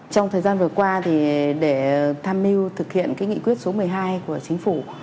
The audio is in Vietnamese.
trong thời gian vừa qua để tham mưu thực hiện cái nghị quyết số một mươi hai của chính phủ